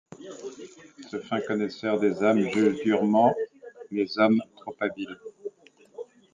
Ce fin connaisseur des âmes juge durement les hommes trop habiles.